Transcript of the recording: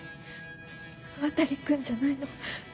渡くんじゃないの。